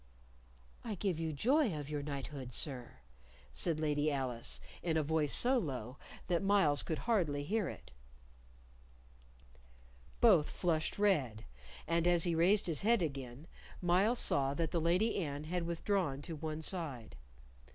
"I give you joy of your knighthood, sir," said Lady Alice, in a voice so low that Myles could hardly hear it. Both flushed red, and as he raised his head again, Myles saw that the Lady Anne had withdrawn to one side.